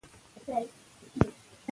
د پوستکي داغونه د تېرو کړنو پایله ده.